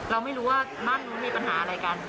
เราไม่รู้ว่าบ้านนู้นมีปัญหาอะไรกัน